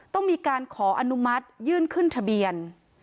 ต้องมีการขออนุมัติยื่นขึ้นทะเบียน